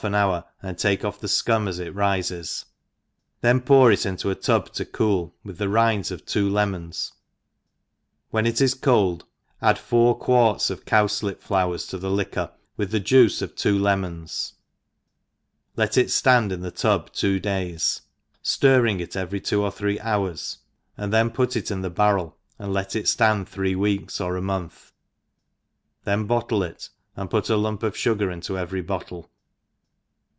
y 3 ' and 3*6 THE EXPERIENCED tnd take off the fcum a$ it rifes, then pour it into a tub to cool, with the rinds of two lemons s when it is cold add four quarts of cowflip flow* ers to the liquor^ with the juice of two lemonSi, let it ftand in the^ tub two days, ftirring it every two or three hours, and then put it in the bar rel, and let it (land thrte weeks or a monthj then bottle it, and. put a lump of fugar into every bottle.